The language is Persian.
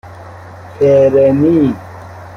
فرنی